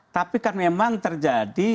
tapi kan memang terjadi